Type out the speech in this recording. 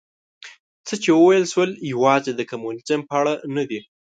څه چې وویل شول یوازې د کمونیزم په اړه نه دي.